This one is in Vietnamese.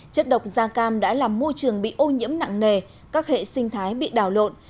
chất độc da cam đã làm môi trường bị ô nhiễm nặng nề các hệ sinh thái bị đảo lộn